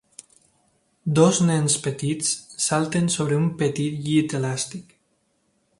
Dos nens petits salten sobre un petit llit elàstic.